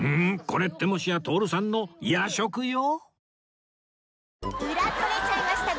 これってもしや徹さんの夜食用？